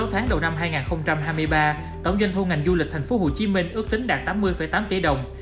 sáu tháng đầu năm hai nghìn hai mươi ba tổng doanh thu ngành du lịch tp hcm ước tính đạt tám mươi tám tỷ đồng